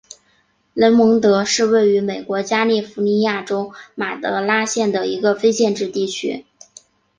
雷蒙德是位于美国加利福尼亚州马德拉县的一个非建制地区。